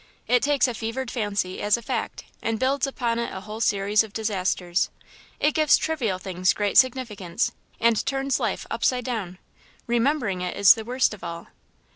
It takes a fevered fancy as a fact, and builds upon it a whole series of disasters. It gives trivial things great significance and turns life upside down. Remembering it is the worst of all."